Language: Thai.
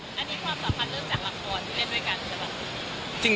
อันนี้ความสัมพันธ์เริ่มจากละครที่เล่นด้วยกันใช่ไหม